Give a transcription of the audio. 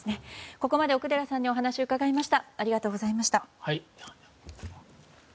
ここまで奥寺さんにお話を伺いました。